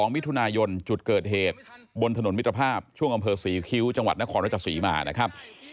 มิถุนายนจุดเกิดเหตุบนถนนมิตรภาพช่วงอำเภอศรีคิ้วจังหวัดนครรัชศรีมานะครับ